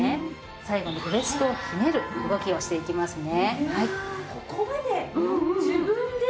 最後にウエストをひねる動きをしていきますね。